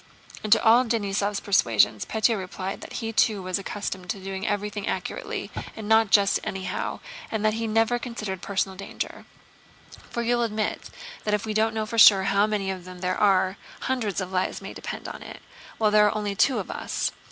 And to all Denísov's persuasions, Pétya replied that he too was accustomed to do everything accurately and not just anyhow, and that he never considered personal danger. "For you'll admit that if we don't know for sure how many of them there are... hundreds of lives may depend on it, while there are only two of us.